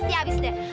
pasti habis deh